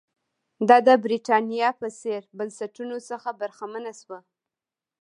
دا د برېټانیا په څېر بنسټونو څخه برخمنه شوه.